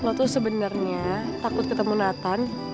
lo tuh sebenernya takut ketemu nathan